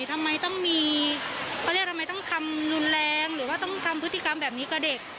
ทำไมต้องทำรุนแรงหรือว่าต้องทำพฤติกรรมแบบนี้กับเด็ก